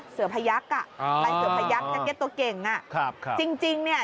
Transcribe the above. เสือพยักษ์อ่ะอ่ายักษ์ตัวเก่งอ่ะครับครับจริงเนี้ย